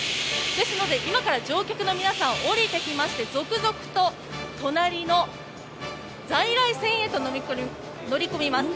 ですので今から乗客の皆さん降りてきまして続々と隣の在来線へと乗り込みます。